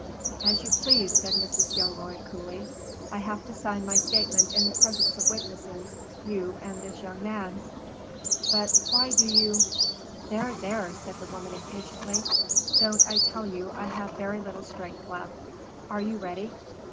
"As you please," said Mrs. Gilroy, coolly. "I have to sign my statement in the presence of witnesses, you and this young man." "But why do you " "There, there," said the woman, impatiently, "don't I tell you I have very little strength left. Are you ready?"